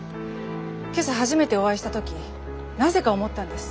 今朝初めてお会いした時なぜか思ったんです。